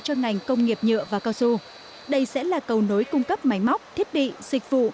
cho ngành công nghiệp nhựa và cao su đây sẽ là cầu nối cung cấp máy móc thiết bị dịch vụ